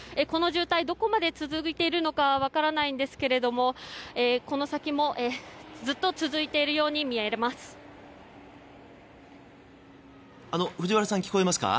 この渋滞、どこまで続いているのか分からないんですけどもこの先もずっと続けているように見えます。